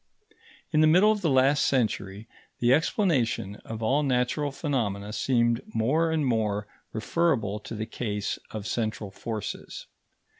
In the middle of the last century, the explanation of all natural phenomena seemed more and more referable to the case of central forces.